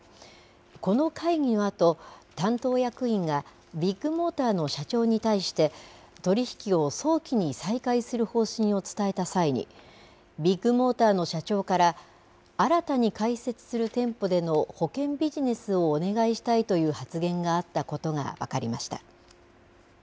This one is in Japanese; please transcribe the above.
この会議のあと、担当役員がビッグモーターの社長に対して取り引きを早期に再開する方針を伝えた際にビッグモーターの社長から新たに開設する店舗での保険ビジネスをお願いしたいという発言があったことが分かりました。